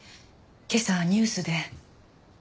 今朝ニュースで。